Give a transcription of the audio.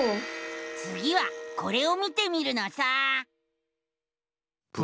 つぎはこれを見てみるのさ！